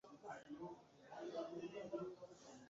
inteko rusange iterana ku buryo bwemewe ari babiri